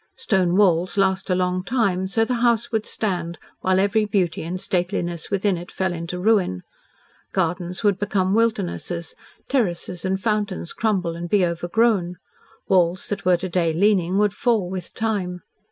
Stone walls last a long time, so the house would stand while every beauty and stateliness within it fell into ruin. Gardens would become wildernesses, terraces and fountains crumble and be overgrown, walls that were to day leaning would fall with time.